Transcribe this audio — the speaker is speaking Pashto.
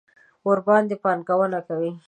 ورباندې پانګونه کوي.